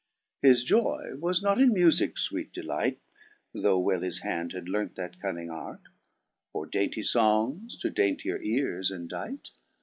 His joy was not in mufiques fweete delight, (Though well his hand had learnt that cunning arte,) Or dainty fongs to daintier eares indite.